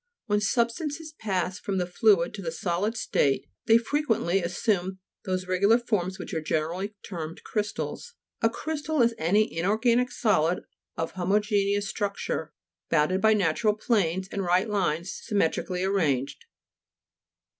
When substances pass from the fluid to the solid state, they frequently as sume those regular forms which are generally termed crystals. A crystal is any inorganic solid of homogeneous structure, bounded by natural planes and right lines sym metrically arranged.